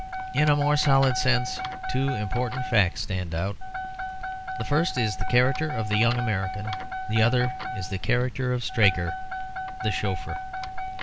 In a more solid sense two important facts stand out: the first is the character of the young American; the other is the character of Straker, the chauffeur.